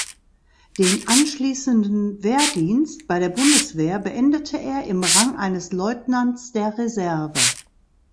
Den anschließenden Wehrdienst bei der Bundeswehr beendete er im Rang eines Leutnants der Reserve.